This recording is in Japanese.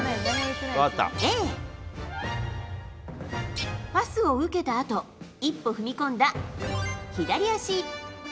Ａ、パスを受けたあと一歩踏み込んだ左足。